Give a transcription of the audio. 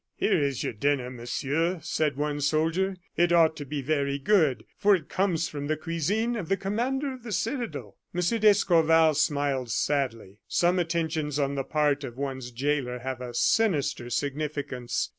"Here is your dinner, Monsieur," said one soldier; "it ought to be very good, for it comes from the cuisine of the commander of the citadel." M. d'Escorval smiled sadly. Some attentions on the part of one's jailer have a sinister significance.